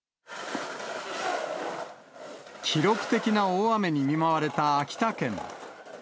記録的な大雨に見舞われた秋田県。